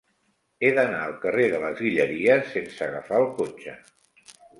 He d'anar al carrer de les Guilleries sense agafar el cotxe.